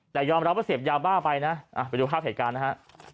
แต่ยอมรับว่าเสพยาบ้าไปนะไปดูภาพเหตุการณ์นะฮะ